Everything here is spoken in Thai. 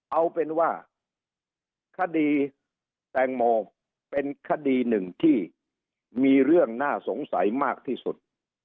เอาเป็นว่าคดีแตงโมเป็นคดีหนึ่งที่มีเรื่องน่าสงสัยมากที่สุด